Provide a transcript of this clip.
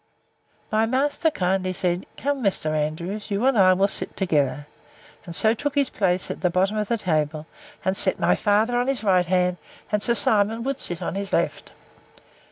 My master kindly said, Come, Mr. Andrews, you and I will sit together. And so took his place at the bottom of the table, and set my father on his right hand; and Sir Simon would sit on his left.